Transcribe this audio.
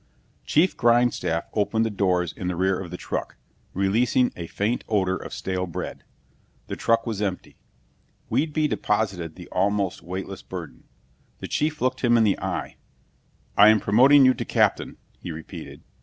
Chief Grindstaff opened the doors in the rear of the truck, releasing a faint odor of stale bread. The truck was empty. Whedbee deposited the almost weightless burden. The chief looked him in the eye. "I am promoting you to captain," he repeated.